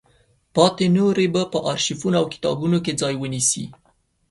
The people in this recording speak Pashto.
پاتې نورې به په ارشیفونو او کتابونو کې ځای ونیسي.